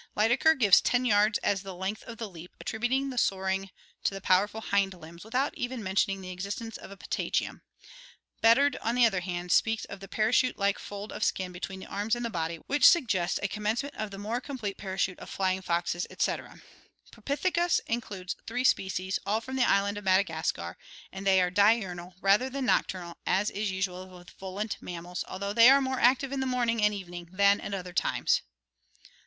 Lydekker gives 10 yards as the length of the leap, attributing the soaring to the powerful hind limbs, without even mentioning the existence of a patagium. Beddard, on the other hand, speaks of the "parachute like fold of skin between the arms and the body, which suggests a commence ment of the more complete parachute of flying foxes, etc." Pro pithecus includes three species, all from the island of Madagascar, and they are diurnal rather than nocturnal as is usual with volant mammals, although they are more active in the morning and even ing than at other times.